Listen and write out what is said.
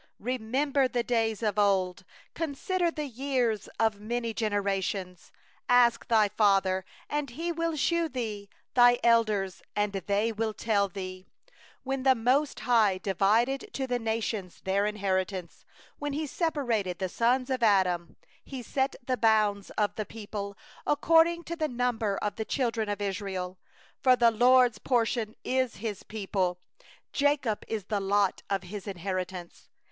7Remember the days of old, Consider the years of many generations; Ask thy father, and he will declare unto thee, Thine elders, and they will tell thee. 8When the Most High gave to the nations When He separated the children of men, He set the borders of the peoples According to the number of the children of Israel. 9For the portion of the LORD is His people, Jacob the lot of His inheritance.